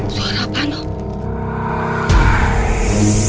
suara apa nob